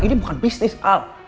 ini bukan bisnis al